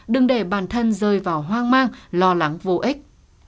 đừng để bản thân rơi vào hoang mang lo lắng vô ích